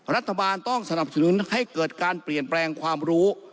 รัฐบาลต้องสนับสนุนให้เกิดการเปลี่ยนแปลงความรู้